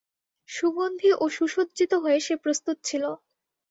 সুগন্ধি ও সুসজ্জিত হয়ে সে প্রস্তুত ছিল।